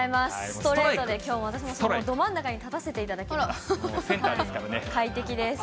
ストレートできょうも私もど真ん中に立たせていただきます。